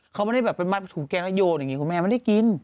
เขาไม่ได้แบบไปมัดถุงแกงแล้วโยนอย่างนี้คุณแม่ไม่ได้กิน